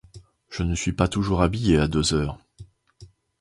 Je ne suis pas toujours habillée à deux heures.